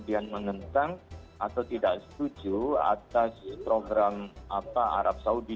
dan saya juga berpikir bahwa kalau kita menentang atau tidak setuju atas program arab saudi